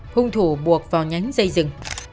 hùng thủ buộc vào nhánh dây rừng